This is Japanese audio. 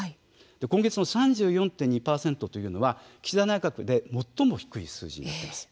今月の３４．２％というのは岸田内閣で最も低い数字になります。